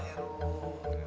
kita harus berbicara